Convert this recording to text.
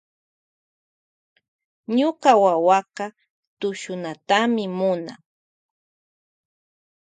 Ñuka wawaka tushunatami munan.